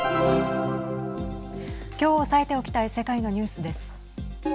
きょう押さえておきたい世界のニュースです。